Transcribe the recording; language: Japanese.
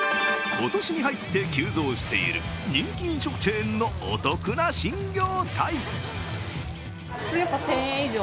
今年に入って急増している人気飲食チェーンのお得な新業態。